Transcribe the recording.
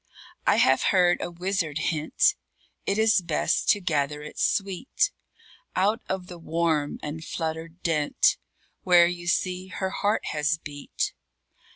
I have heard a wizard hint It is best to gather it sweet Out of the warm and fluttered dint Where you see her heart has beat.